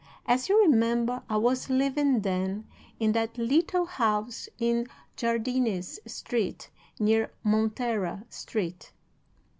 As you remember, I was living then in that little house in Jardines Street, near Montera Street.